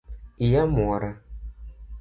Iya mwora